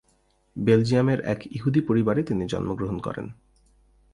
বেলজিয়ামের এক ইহুদি পরিবারে তিনি জন্মগ্রহণ করেন।